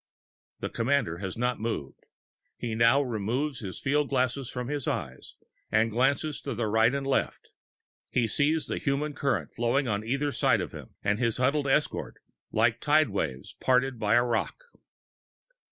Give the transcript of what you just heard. The commander has not moved. He now removes his field glass from his eyes and glances to the right and left. He sees the human current flowing on either side of him and his huddled escort, like tide waves parted by a rock.